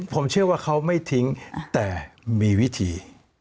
ผมเชื่อว่าเขาไม่ทิ้งแต่มีวิธี